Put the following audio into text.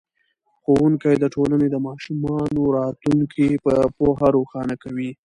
ښوونکی د ټولنې د ماشومانو راتلونکی په پوهه روښانه کوي.